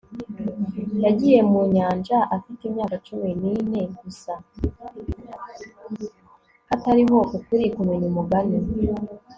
hatariho ukuri kumenya umugani